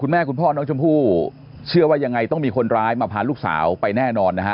แม่คุณพ่อน้องชมพู่เชื่อว่ายังไงต้องมีคนร้ายมาพาลูกสาวไปแน่นอนนะฮะ